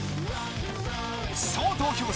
総投票数